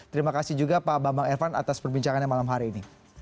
terima kasih juga pak bambang ervan atas perbincangannya malam hari ini